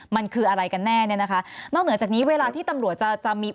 มันคืออะไรกันแน่เนี่ยนะคะนอกเหนือจากนี้เวลาที่ตำรวจจะจะมี